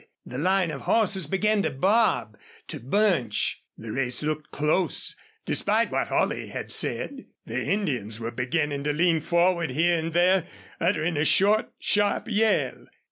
The line of horses began to bob, to bunch. The race looked close, despite what Holley had said. The Indians were beginning to lean forward, here and there uttering a short, sharp yell.